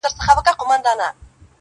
چي هر څومره یې خوړلای سوای د ده وه -